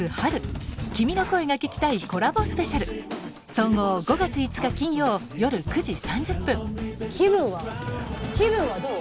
総合５月５日金曜夜９時３０分気分はどう？